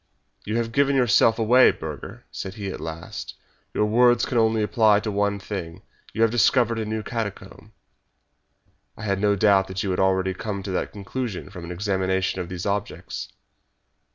"You have given yourself away, Burger!" said he at last. "Your words can only apply to one thing. You have discovered a new catacomb." "I had no doubt that you had already come to that conclusion from an examination of these objects."